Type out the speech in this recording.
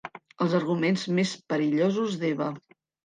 Els arguments més perillosos d'Eva.